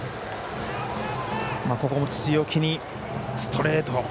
ここも強気にストレート。